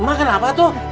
ma kenapa tuh